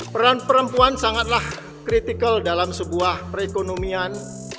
peran perempuan sangatlah kritikal dalam sebuah perekonomian